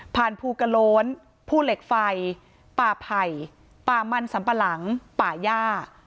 ภูกระโล้นภูเหล็กไฟป่าไผ่ป่ามันสัมปะหลังป่าย่า